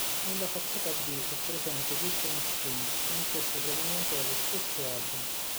Nella facciata B è presente "Different Strings", anch'essa proveniente dallo stesso album.